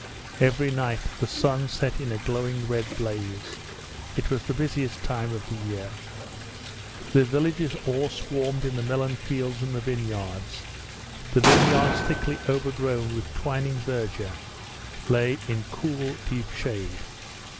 Every night the sun set in a glowing red blaze. It was the busiest time of the year. The villagers all swarmed in the melon fields and the vineyards. The vineyards thickly overgrown with twining verdure lay in cool, deep shade.